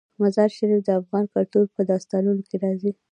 مزارشریف د افغان کلتور په داستانونو کې راځي.